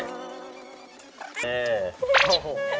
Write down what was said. เน็ต